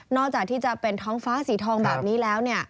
จากที่จะเป็นท้องฟ้าสีทองแบบนี้แล้ว